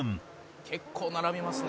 「結構並びますね」